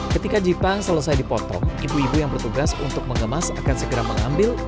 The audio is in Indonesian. ketika jepang selesai dipotong ibu ibu yang bertugas untuk mengemas akan segera mengambil